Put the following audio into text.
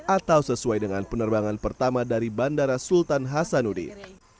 atau sesuai dengan penerbangan pertama dari bandara sultan hasanuddin